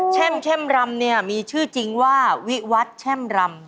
เข้มรำเนี่ยมีชื่อจริงว่าวิวัตรแช่มรำ